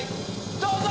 どうぞ！